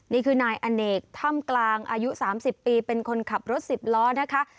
นี่คือนายอเนกถ้ำกลางอายุ๓๐ปีเป็นคนขับรถ๑๐ล้อนะคะ